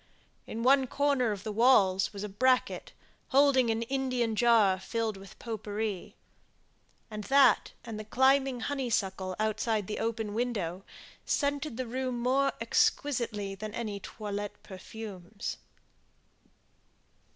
In one corner of the walls was a bracket, holding an Indian jar filled with pot pourri; and that and the climbing honeysuckle outside the open window scented the room more exquisitely than any toilette perfumes.